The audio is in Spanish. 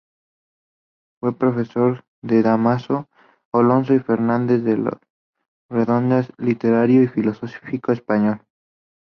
Fue profesor de Dámaso Alonso y Fernández de las Redondas, literato y filólogo español.